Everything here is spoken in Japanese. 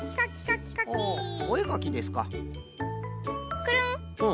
くるん！